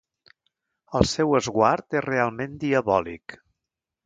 El seu esguard és realment diabòlic.